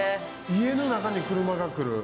家の中に車がくる。